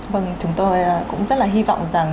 vâng chúng tôi cũng rất là hy vọng rằng